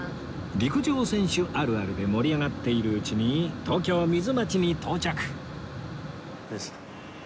陸上選手あるあるで盛り上がっているうちに東京ミズマチに到着